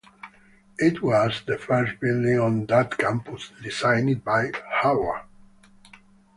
It was the first building on that campus designed by Howard.